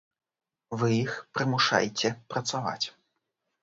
Вы іх прымушайце працаваць.